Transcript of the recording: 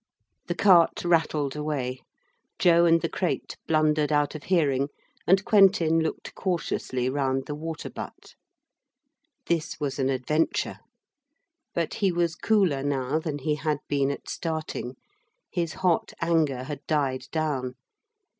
The cart rattled away. Joe and the crate blundered out of hearing, and Quentin looked cautiously round the water butt. This was an adventure. But he was cooler now than he had been at starting his hot anger had died down.